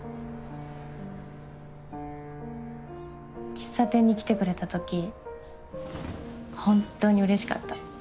喫茶店に来てくれた時本当に嬉しかった。